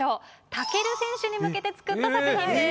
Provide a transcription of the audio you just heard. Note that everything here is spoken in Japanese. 武尊選手に向けて作った作品です。